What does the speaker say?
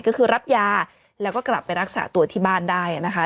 ก็คือรับยาแล้วก็กลับไปรักษาตัวที่บ้านได้นะคะ